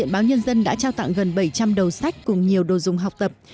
báo nhân dân đã trao tặng gần bảy trăm linh đầu sách cùng nhiều đồ dùng học tập